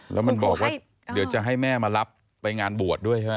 แล้วมันบอกว่าเดี๋ยวจะให้แม่มารับไปงานบวชด้วยใช่ไหม